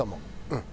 うん。